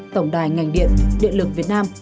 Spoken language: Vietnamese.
tổng đài ngành điện điện lực việt nam